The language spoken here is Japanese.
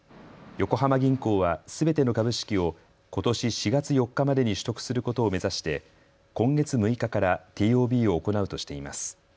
横浜銀行はすべての株式をことし４月４日までに取得することを目指して今月６日からＴＯＢを行うとしています。